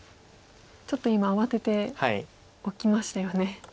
ちょっと今慌てて置きましたよね。